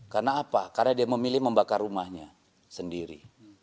karena apa karena dia memilih membakar rumahnya sendiri